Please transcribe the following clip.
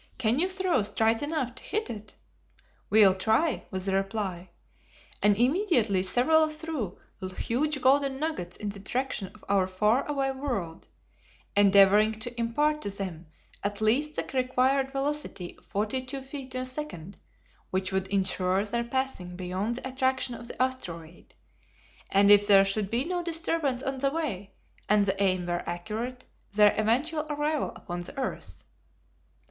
Can you throw straight enough to hit it?" "We'll try," was the reply, and immediately several threw huge golden nuggets in the direction of our far away world, endeavoring to impart to them at least the required velocity of forty two feet in a second, which would insure their passing beyond the attraction of the asteroid, and if there should be no disturbance on the way, and the aim were accurate, their eventual arrival upon the earth.